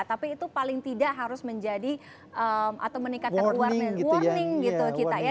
tapi itu paling tidak harus menjadi atau meningkatkan warning gitu kita ya